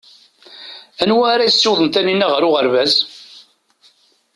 Anwa ara yessiwḍen Taninna ɣer uɣerbaz?